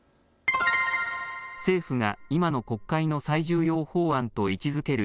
政府が今の国会の最重要法案と位置づける